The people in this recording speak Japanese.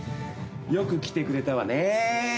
よく来てくれたわねえ。